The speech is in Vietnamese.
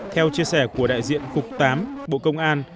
theo chia sẻ của đại diện cục tám bộ công an